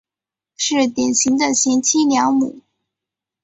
是典型的贤妻良母。